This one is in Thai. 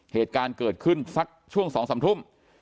เหตุการณ์เกิดขึ้นสักช่วง๒๓ทุ่ม